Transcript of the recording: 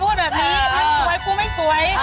พูดแบบนี้มันสวยกูไม่สวย